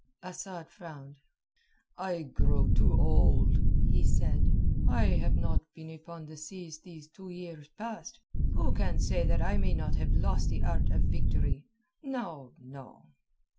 Asad frowned. "I grow too old," he said. "I have not been upon the seas these two years past. Who can say that I may not have lost the art of victory. No, no."